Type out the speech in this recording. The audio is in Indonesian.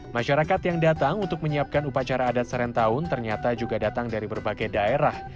masyarakat yang datang untuk menyiapkan upacara adat serentahun ternyata juga datang dari berbagai daerah